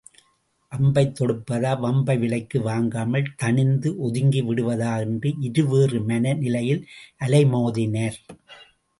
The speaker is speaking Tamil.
அம்பைத் தொடுப்பதா வம்பை விலைக்கு வாங்காமல் தணிந்து ஒதுங்கி விடுவதா என்ற இருவேறு மன நிலையில் அலைமோதினர்.